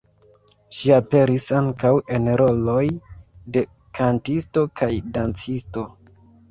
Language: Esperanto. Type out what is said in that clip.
Ŝi aperis ankaŭ en roloj de kantisto kaj dancisto.